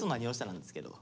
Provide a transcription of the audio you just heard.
なんですけど。